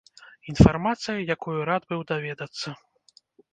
Інфармацыя, якую рад быў даведацца.